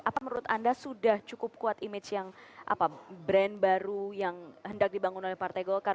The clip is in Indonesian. apa menurut anda sudah cukup kuat image yang brand baru yang hendak dibangun oleh partai golkar